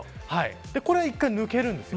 これは１回抜けるんです。